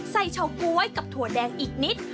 เฉาก๊วยกับถั่วแดงอีกนิด